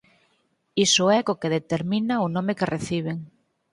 Iso é co que determina o nome que reciben.